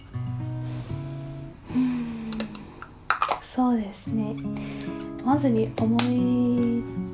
そうですね